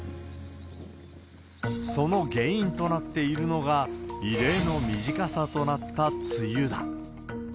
その原因となっているのが、異例の短さとなった梅雨だ。